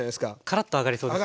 カラッと揚がりそうですね。